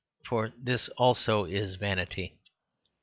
for this also is vanity.